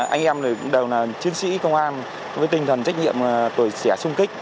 anh em đều là chiến sĩ công an với tinh thần trách nhiệm tuổi trẻ sung kích